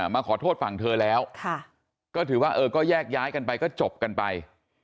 มาขอโทษฝั่งเธอแล้วก็ถือว่าเออก็แยกย้ายกันไปก็จบกันไป